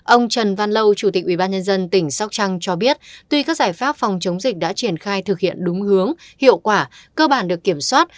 ông trần văn lâu chủ tịch ubnd tỉnh sóc trăng cho biết tuy các giải pháp phòng chống dịch đã triển khai thực hiện đúng hướng hiệu quả cơ bản được kiểm soát